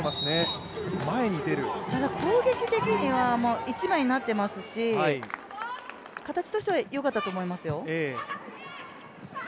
攻撃的には一枚になってますし形としては良かったと思いますよ。